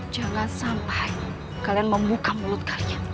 jangan sampai kalian membuka mulut karya